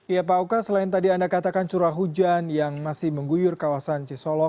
iya pak oka selain tadi anda katakan curah hujan yang masih mengguyur kawasan sisolok